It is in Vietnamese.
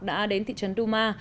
đã đến thị trấn douma